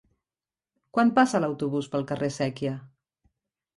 Quan passa l'autobús pel carrer Sèquia?